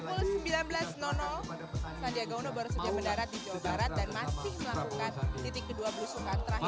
pukul sembilan belas sandiaga uno baru saja mendarat di jawa barat dan masih melakukan titik kedua belusukan terakhir